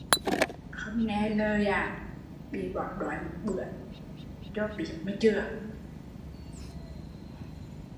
Không nghe lời, bị bỏ đói một bữa cho biết mà chừa